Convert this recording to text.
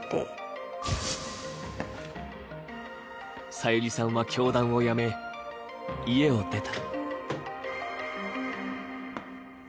さゆりさんは教団を辞め、家を出た。